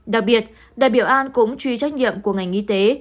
đặc biệt đại biểu an cũng truy trách nhiệm của ngành y tế